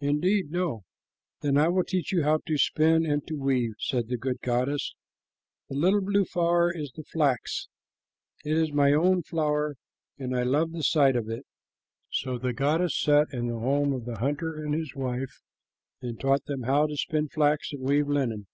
"Indeed, no." "Then I will teach you how to spin and to weave," said the good goddess. "The little blue flower is the flax. It is my own flower, and I love the sight of it." So the goddess sat in the home of the hunter and his wife and taught them how to spin flax and weave linen.